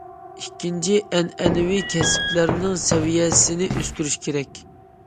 ئىككىنچى، ئەنئەنىۋى كەسىپلەرنىڭ سەۋىيەسىنى ئۆستۈرۈش كېرەك.